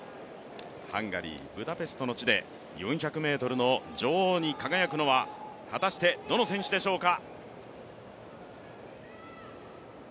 ハンガリー・ブダペストの地で４００ｍの女王に輝くのは果たしてどの選手でしょうか。